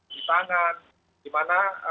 di tangan dimana